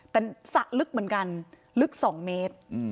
แต่สระลึกเหมือนกันลึก๒เมตร